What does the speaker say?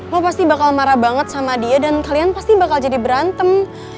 lo pasti bakal marah banget sama dia dan kalian pasti bakal jadi berantem